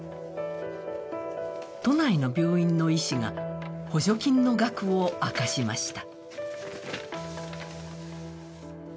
都内の病院の医師が補助金の額を明かしました。